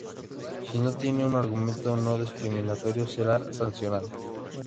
Si no tiene un argumento no discriminatorio será sancionado.